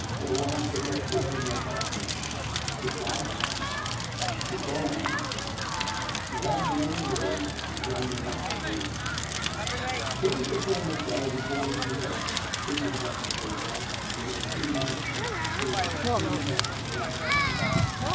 " Go away, and forget that you ever met Dr. Ni kola. Good bye." " Good bye," I answered. Without an other word he turned and left the room. Shortly before midday we boarded the yacht. Steam was up when we arrived, and within a few minutes we were steaming out of the little bay.